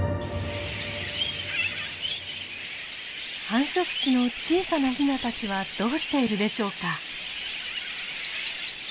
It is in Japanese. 繁殖地の小さなヒナたちはどうしているでしょうか。